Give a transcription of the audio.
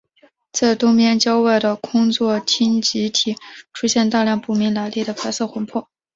在东边郊外的空座町集体出现大量不明来历的白色魂魄。